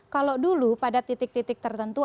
kalau dulu pada titik titik tertentu